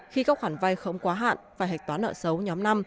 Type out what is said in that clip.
khi các khoản vai khống quá hạn và hạch toán nợ xấu nhóm năm